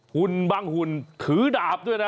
หุ่นบางหุ่นถือดาบด้วยนะ